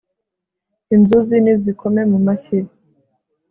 inzuzi nizikome mu mashyi